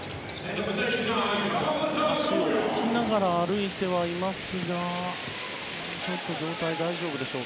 足を着きながら歩いてはいますがちょっと状態、大丈夫か。